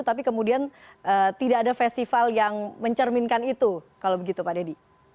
tapi kemudian tidak ada festival yang mencerminkan itu kalau begitu pak dedy